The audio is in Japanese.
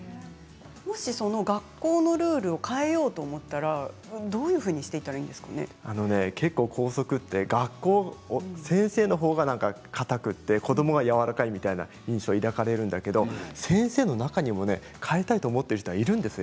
学校のルールを変えようと思ったらどのようにしていったら校則は先生のほうがかたくて子どもはやわらかいみたいな印象を抱かれると思うんですけれど先生の中にも変えたいと思っている人はいるんですよ。